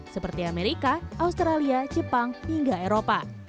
seperti amerika australia jepang hingga eropa